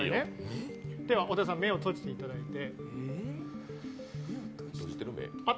小田さん、目を閉じていただいて。